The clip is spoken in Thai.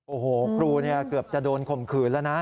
โอ้โหครูเกือบจะโดนข่มขืนแล้วนะ